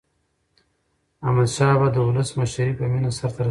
احمدشاه بابا د ولس مشري په مینه سرته رسولې ده.